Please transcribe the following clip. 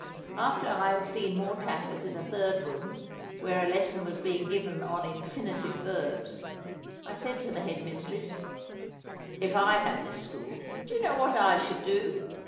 After I had seen more tatters in a third room, where a lesson was being given on "Infinitive Verbs," I said to the head mistress, "If I had this school, do you know what I should do?